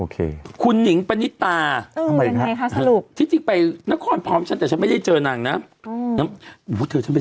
โคคุณหนิงปณิตาสรุปที่จริงไปนครพร้อมฉันแต่ฉันไม่ได้เจอนางนะ